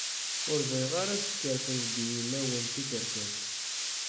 Ur bɣiɣ ara ad skerfen deg yimawen tikerkas.